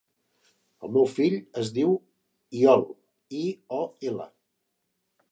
El meu fill es diu Iol: i, o, ela.